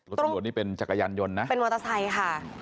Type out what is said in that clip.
ตำรวจนี่เป็นจักรยานยนต์นะเป็นมอเตอร์ไซค์ค่ะ